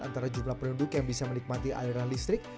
antara jumlah penduduk yang bisa menikmati aliran listrik